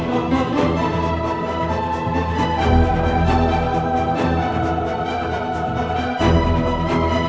harus kutip rem di kepala woh